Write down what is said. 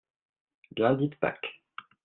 lundi de Pâques.